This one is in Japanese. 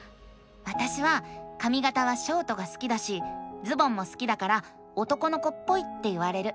わたしはかみがたはショートが好きだしズボンも好きだから男の子っぽいって言われる。